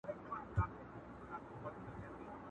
روڼي سترګي کرۍ شپه په شان د غله وي.!